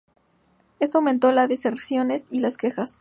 Esto aumentó las deserciones y las quejas.